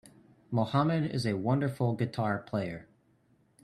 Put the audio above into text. Mohammed is a wonderful guitar player.